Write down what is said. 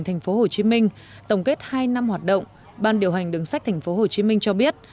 thành phố hồ chí minh tổng kết hai năm hoạt động ban điều hành đường sách thành phố hồ chí minh cho biết